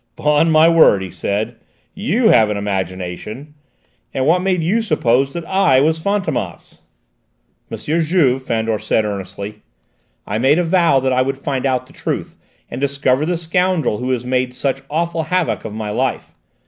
"'Pon my word," he said, "you have an imagination! And what made you suppose that I was Fantômas?" "M. Juve," Fandor said earnestly, "I made a vow that I would find out the truth, and discover the scoundrel who has made such awful havoc of my life.